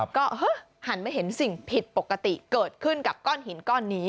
ก็หันมาเห็นสิ่งผิดปกติเกิดขึ้นกับก้อนหินก้อนนี้